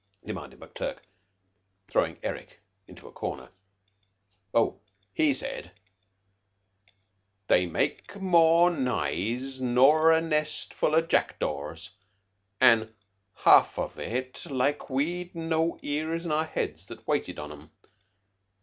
demanded McTurk, throwing "Eric" into a corner. "Oh, he said, 'They make more nise nor a nest full o' jackdaws, an' half of it like we'd no ears to our heads that waited on 'em.